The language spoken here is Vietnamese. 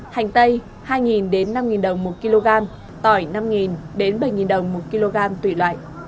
hành tây hai đến năm đồng một kg tỏi năm đến bảy đồng một kg tùy loại